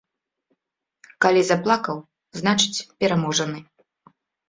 Калі заплакаў, значыць, пераможаны.